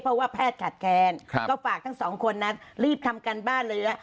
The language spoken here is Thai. เพราะว่าแพทย์ขาดแค้นก็ฝากทั้งสองคนนั้นรีบทำการบ้านเลยนะ